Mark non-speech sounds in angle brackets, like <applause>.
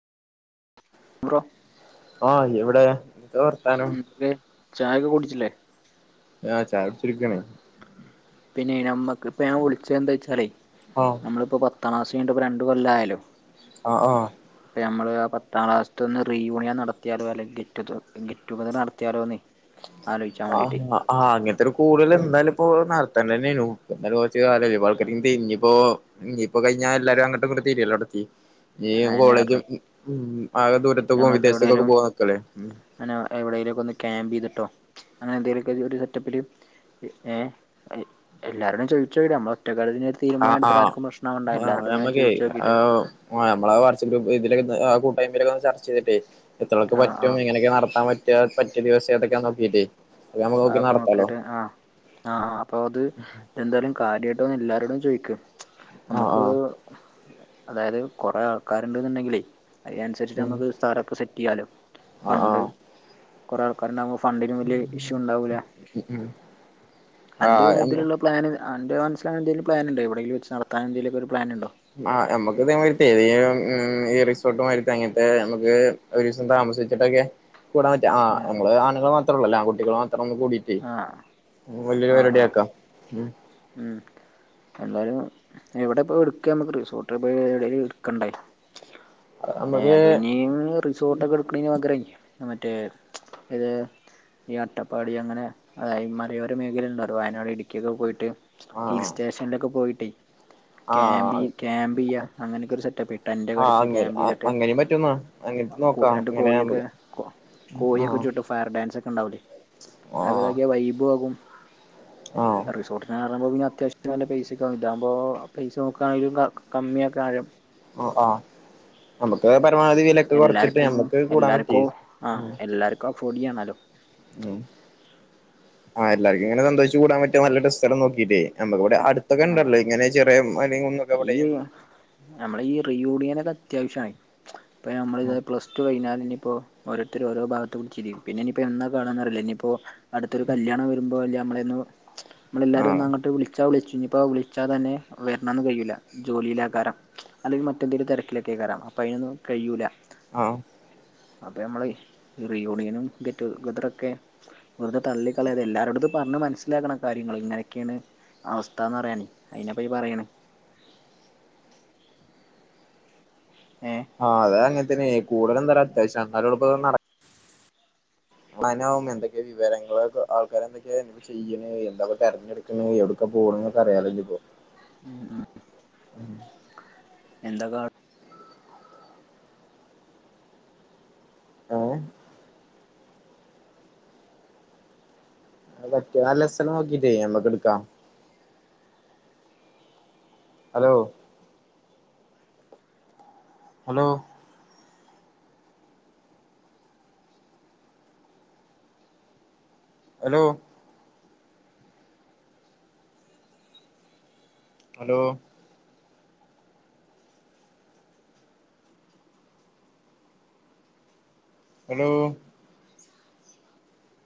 <inaudible> Bro hi എവിടെ വർത്താനം ഉം എന്തെ ചായൊക്കെ കുടിച്ചില്ലേ? ആ ചായുടിച്ചിരിക്കാണ് പിന്നെ നമ്മക്കിപ്പ ഞാൻ വിളിച്ച എന്താച്ചാലേയ് ആഹ് നമ്മളിപ്പ പത്താക്ലാസ്സ് കഴിഞ്ഞിട്ടിപ്പ രണ്ട് കൊല്ലായല്ലൊ അ ആ ഇപ്പ ഞമ്മള് ആ പത്താം ക്ലാസ്‌ത്തൊന്ന് റിയൂണിയൻ നടത്തിയാലോ അല്ലെങ്കി ഗെറ്റുതെ ഗെറ്റുഗെതറ് നടത്തിയാലോന്നേ ആലോചിച്ചാൻ ആ വേണ്ടീട്ടേ ആ അങ്ങനത്തെ ഒരു കൂടല് എന്തായാലുപ്പോ നടത്തന്നന്നേനു കൊറച്ചു കാലായി <unintelligible> തിരിഞ്ഞിപ്പോ ഇനിപ്പോ കഴിഞ്ഞാ എല്ലാരും അങ്ങോട്ടും ഇങ്ങട്ടും തിരിയലോ എടക്കീ ഈയും അയെന്നെ കോളേജും പറഞ്ഞേ ഉം ആക ദൂരത്ത് പോവാൻ നമ്മക്ക് വിദേശത്തൊക്കൊക്കെ എവിടേലും പോവാൻ നിക്കല്ലേ? അങ്ങനെ എവിടേല് ഒക്കെ ഒന്ന് ക്യാമ്പിത്ട്ടോ അങ്ങനെ എന്തേലു ഒക്കെ ഒരു സെറ്റപ്പില് ഏ എ എല്ലാരോടും ചോദിച്ചോക്കീട്ട് നമ്മള് ഒറ്റക്കാ ആഹ് തീരുമാനടുത്തട്ട് ആഹ് ആർക്കും പ്രശനാവണ്ടാ. എല്ലാവരോടൊന്ന് ചോയ്‌ച്ചോക്കീട്ട് ആ ഞമ്മളേ വാട്ട്സ്പ്പ് ഗ്രൂപ്പ് ഇതിലൊക്കേന്ന് ആ കൂട്ടായ്മയിലൊക്കെ ഒന്ന് ചർച്ച ചെയ്തിട്ടേയ് എത്രാൾക്ക് ആഹ് പറ്റും ആഹ് എങ്ങനെക്കെ നടത്താൻ പറ്റുക പറ്റിയ ദിവസം ഏതൊക്കെയാ നോക്കീട്ടേ അത് നമ്മക്ക് നോക്കി അതൊക്കെ നടത്താലോ നോക്കിട്ട് ആ ആ അപ്പൊ അത് എന്തായാലും കാര്യായിട്ടൊന്ന് എല്ലാരോടും ചോയിക്ക് ആഹ് നമ്മക്ക് ആഹ് അതായത് കൊറെ ആൾക്കാര്ണ്ടെന്ന്ണ്ടെങ്കിലേ അതിനനുസരിച്ചട്ട് ഉം നമ്മക്ക് സ്ഥലമൊക്കെ സെറ്റെയ്യാല്ലോ. ആഹ് ഫണ്ട്. ആഹ് കൊറേ ആൾക്കാരുണ്ടാവുമ്പ ഫണ്ടിന് വല്ല്യേ ഇഷ്യൂ ഉണ്ടാവൂല. ഉം ഉം അന്റെ ആഹ് ഞമ്മ യോഗതിലുള്ള പ്ലാന് അഡ്വാൻസിലങ്ങനെന്തേലും പ്ലാനുണ്ടോ എവിടേങ്കിലും വച്ച് നടത്താനെന്നെന്തേലൊക്ക ഒരു പ്ലാനുണ്ടോ? ആ നമ്മക്ക് ഇതേ മാതിരിത്തെ <unintelligible> മ്മ് റിസോർട്ടുമായിരത്തെ അങ്ങനത്തെ നമ്മക്ക് ഒരീസം താമസിച്ചിട്ടൊക്കെ കൂടാൻ പറ്റും ആ നമ്മള് ആണുങ്ങള് മാത്രൊള്ളല്ലേ ആൺകുട്ടികള് മാത്രം ഒന്ന് കൂടീ ഇ ആ വലിയൊരു ആ ആ പരിപാടി ആ ആക്കാം. ഉം ഉം എന്തായാലും എവിടെ ഇപ്പോ എടുക്കുക നമുക്ക് റിസോർട്ട് പോയി എവിടേലും എടുക്കണ്ടേ ഏ നമുക്ക് അതിന്നിയും റിസോർട്ടെക്കെ എടു <unintelligible> മറ്റേ ഇത് ഈ അട്ടപ്പാടി അങ്ങനെ ആ ഈ മലയോര മേഖലയിണ്ട് അത് വയനാട് ഇടുക്കിയൊക്കെ പോയിട്ട് ആഹ് ഹിൽ സ്റ്റേഷനിലൊക്കെ പോയിട്ടേ ക്യാമ്പി ആഹ് ക്യാമ്പെയ്യാ അങ്ങനെക്കൊരു സെറ്റപ്പേ ആഹ് ടെന്റ്ക്കടിച്ച് അങ്ങ ക്യാമ്പെയ്തിട്ട് അങ്ങനെയും പറ്റുന്നാ അ കോ രണ്ട് കോഴിയെക്കെ കോ ആ ഫയർ ഡൻസൊക്കെ ഉണ്ടാവൂല്ലേ. അതക്കെ വൈബു ആകും. ആഹ് റിസോർട്ടിനാകാറാകുമ്പോ പിന്നെ അത്യാവശ്യം നല്ല പൈസൊക്ക ആകും. ഇതാകുമ്പോ പൈസ നോക്കാണെങ്കിലും ക കമ്മിയക്കെ കാര്യം ഓ ആ നമ്മിക്ക്‌ പരമാവധി വിലേക്ക കൊറച്ചിട്ട് എല്ലാർക്കും നമ്മക്ക് കൂടാൻ എല്ലാർക്കും പറ്റീത് ആ ആഹ് എല്ലാർക്കും അഫോർഡ് ചെയ്യണല്ലോ <inaudible> ആ എല്ലാരിക്കിങ്ങന സന്തോഷിച്ച് കൂടാൻ പറ്റിയ നല്ലൊടസ്ഥലം നോക്കിട്ടേ, നമ്മക്കിവടെ അടു ഇപ്പക്കണ്ടല്ലോ ഇങ്ങനെ ചെറിയ മലേം കുന്നൊക്ക അവിടെയും നമ്മള ഈ റീയൂണിയനെക്കെ അത്യാവശ്യായി ഇപ്പ ഞമ്മള് ഇത് പ്ലസ് ഇതു കഴിഞ്ഞാലിനിയിപ്പോ ഓരോരുത്തര് ഓരോ ഭാഗത്തും തിരിയും പിന്നെ ഇനി ഇപ്പോ എന്നാ കാണാന്നറിയില്ല ഇനിപ്പോ അടുത്തൊരു കല്യാണം വരുമ്പോ അല്ലേ നമ്മളെന്നു നമ്മളെല്ലാരും ഒന്ന് ആഹ് അങ്ങട്ട് വിളിച്ചാ വിളിച്ചു ഇഞ്ഞിപ്പോ വിളിച്ചാ തന്നെ വെരണൊന്നും കയ്യൂല്ല. ജോലിള്ളാക്കാരാ അല്ലെങ്കി മറ്റെന്തേലും തെരക്കിലക്കെ കേറാം അപ്പൊ അയിനൊന്നും കഴിയൂല ആം അപ്പെ ഞമ്മള് ഈ റീയൂണിയനും ഗെറ്റുഗദറൊക്കെ വെറുത തള്ളിക്കളയാതെ എല്ലാരോടത്തു പറഞ്ഞ് മനസ്സിലാക്കണു കാര്യങ്ങള് ഇങ്ങനെക്കേണ് അവസ്ഥാന്നറയേണേ അയിനെ പറ്റി പറയേണ് ഏ ആഹ് അതങ്ങനെത്തന്നെ കൂടൽ എന്താലും അത്യാവശ്യാ അവരോടൊപ്പം നട <unintelligible> ചിയ്യ്ണ് എന്താപ്പ തെരഞ്ഞെടുക്ക്ണ്? എവിടുക്കാ പോണ്ന്നൊക്കെ അറിയാലോച്ചിട്ടേ <unintelligible> <unintelligible> പറ്റിയ നല്ല ദിവസം നോക്കിട്ടേ നമ്മക്ക് എടുക്കാം. Hello hello hello hello hello